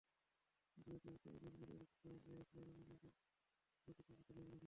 জিয়ো টিভিতে আমির মির অভিযোগ করেন, আইএসআই পাকিস্তানকে ঘুণপোকার মতো খেয়ে ফেলছে।